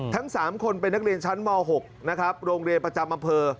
ทั้ง๓คนเป็นนักเรียนชั้นม๖นะครับโรงเรียนประจำอำเภอ